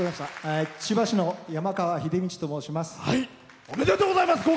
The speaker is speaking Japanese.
千葉市の、やまかわと申します。